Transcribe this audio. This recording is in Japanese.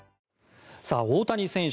大谷選手